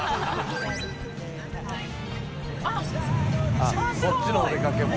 あっこっちのお出かけも。